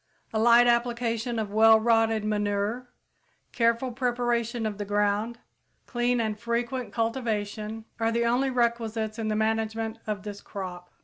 A light application of well rotted manure, careful preparation of the ground, clean and frequent cultivation, are the only requisites in the management of this crop.